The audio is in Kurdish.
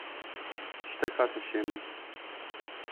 Tiştek hat hişê min.